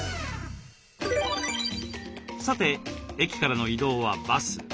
さて駅からの移動はバス。